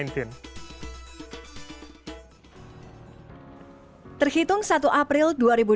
terhitung satu april dua ribu dua puluh